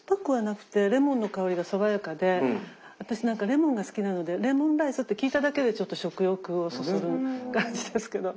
私レモンが好きなのでレモンライスって聞いただけでちょっと食欲をそそる感じですけど。